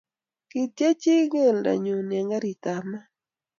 Kityech chii keldo nyuu eng karitab maat